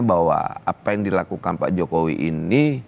bahwa apa yang dilakukan pak jokowi ini